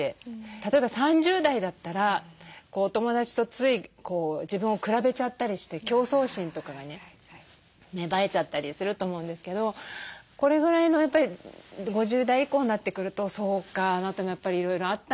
例えば３０代だったらお友だちとつい自分を比べちゃったりして競争心とかがね芽生えちゃったりすると思うんですけどこれぐらいのやっぱり５０代以降になってくると「そうかあなたもやっぱりいろいろあったんだね。